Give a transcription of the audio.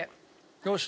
よし。